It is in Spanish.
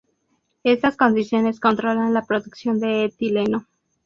Estas condiciones controlan la producción de etileno.